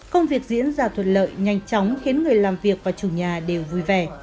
công việc diễn ra thuận lợi nhanh chóng khiến người làm việc và chủ nhà đều vui vẻ